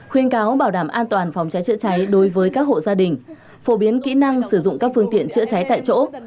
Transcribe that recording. khuyên cáo bảo đảm an toàn phòng cháy chữa cháy đối với các hộ gia đình phổ biến kỹ năng sử dụng các phương tiện chữa cháy tại chỗ